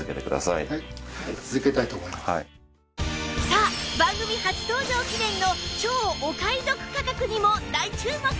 さあ番組初登場記念の超お買い得価格にも大注目です！